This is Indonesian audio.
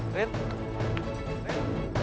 selesai kalau ada masalah itu